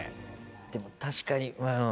でも確かにうん。